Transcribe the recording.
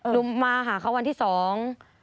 หนูมาหาเค้าวันที่สอง